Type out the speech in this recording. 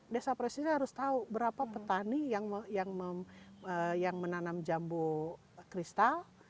desa presiden harus tahu berapa petani yang menanam jambu kristal